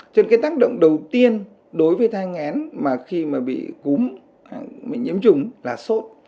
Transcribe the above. cho nên cái tác động đầu tiên đối với thai ngén mà khi mà bị cúm bị nhiễm trùng là sốt